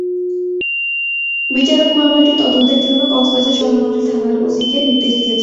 বিচারক মামলাটি তদন্তের জন্য কক্সবাজার সদর মডেল থানার ওসিকে নির্দেশ দিয়েছেন।